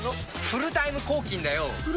フルタイム抗菌？